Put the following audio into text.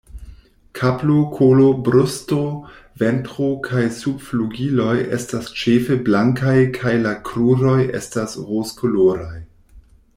Kapo, kolo, brusto, ventro kaj subflugiloj estas ĉefe blankaj kaj la kruroj estas rozkoloraj.